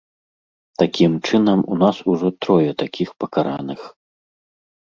Такім чынам, у нас ужо трое такіх пакараных.